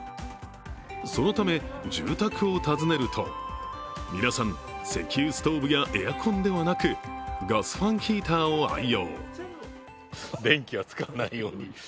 そのため、住宅を訪ねると、皆さん、石油ストーブやエアコンではなくガスファンヒーターを愛用。